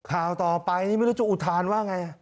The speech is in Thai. ข่าวต่อไปนี่ไม่รู้จะอุทานว่าไง